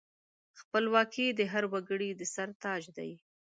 خپلواکي د هر وګړي د سر تاج دی.